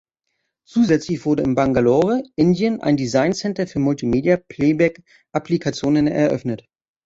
Zusätzlich wurde in Bangalore, Indien, ein Design-Center für Multimedia-Playback-Applikationen eröffnet.